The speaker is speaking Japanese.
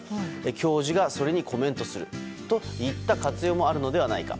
教授がそれにコメントするといった活用もあるのではないか。